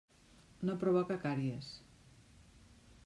No provoca càries.